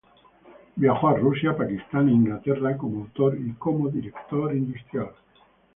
Viajó a Rusia, Pakistán e Inglaterra como autor y como director industrial.